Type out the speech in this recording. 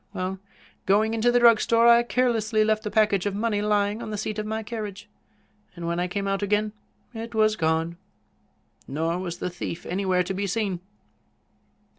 Well, going into the drug store I carelessly left the package of money lying on the seat of my carriage, and when I came out again it was gone. Nor was the thief anywhere to be seen."